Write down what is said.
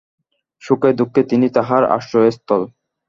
সুখে দুঃখে তিনিই তাহার আশ্রয়স্থল।